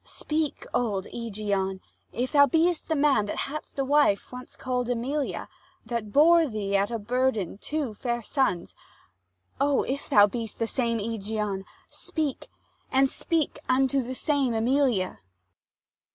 Speak, old Ægeon, if thou be'st the man 340 That hadst a wife once call'd Æmilia, That bore thee at a burden two fair sons: O, if thou be'st the same Ægeon, speak, And speak unto the same Æmilia!